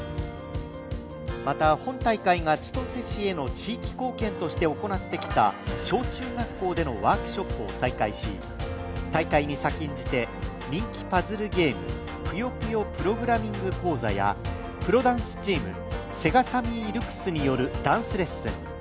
また、本大会が千歳市への地域貢献として行ってきた小中学校でのワークショップを再開し、大会に先んじて、人気パズルゲームぷよぷよプログラミング講座やプロダンスチームＳＥＧＡＳＡＭＭＹＬＵＸによるダンスレッスン